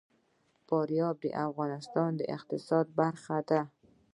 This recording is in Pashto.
فاریاب د افغانستان د اقتصاد برخه ده.